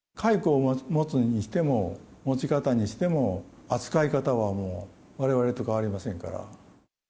蚕を持つにしても、持ち方にしても、扱い方はもう、われわれと変わりませんから。